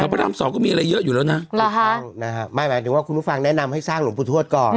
พระรามสองก็มีอะไรเยอะอยู่แล้วนะถูกต้องนะฮะไม่หมายถึงว่าคุณผู้ฟังแนะนำให้สร้างหลวงปู่ทวดก่อน